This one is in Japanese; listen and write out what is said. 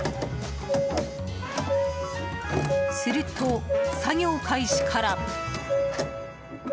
すると、作業開始から。